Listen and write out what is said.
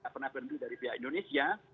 pernah berhenti dari pihak indonesia